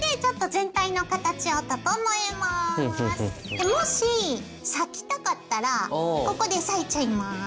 でもし裂きたかったらここで裂いちゃいます。